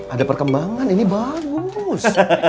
ada perkembangan ini bagus